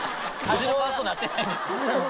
味の感想になってないです。